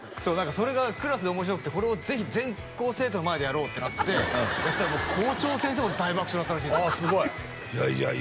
それがクラスで面白くてこれをぜひ全校生徒の前でやろうってなってやったらもう校長先生も大爆笑だったらしいんですよああ